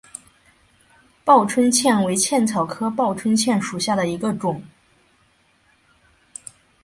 报春茜为茜草科报春茜属下的一个种。